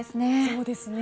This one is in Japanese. そうですね。